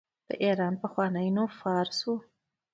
د ایران پخوانی نوم فارس و.